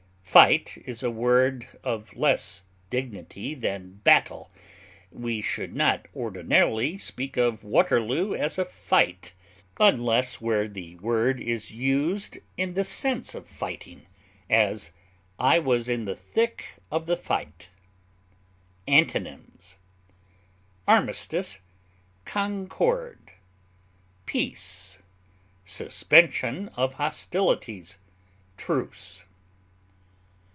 Fight is a word of less dignity than battle; we should not ordinarily speak of Waterloo as a fight, unless where the word is used in the sense of fighting; as, I was in the thick of the fight. Antonyms: armistice, concord, peace, suspension of hostilities, truce.